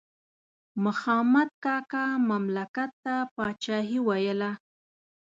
مخامد کاکا مملکت ته پاچاهي ویله.